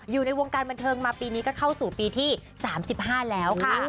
อยู่ในวงการบันเทิงมาปีนี้ก็เข้าสู่ปีที่๓๕แล้วค่ะ